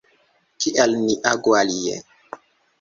Kial ni agu alie?